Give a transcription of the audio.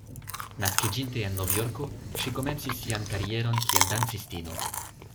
Naskiĝinte en Novjorko, ŝi komencis sian karieron kiel dancistino.